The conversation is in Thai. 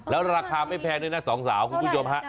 แล้วราคาไม่แพงด้วยนะสองสาวคุณผู้ชมฮะ